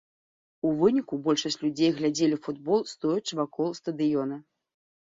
У выніку большасць людзей глядзелі футбол, стоячы вакол стадыёна.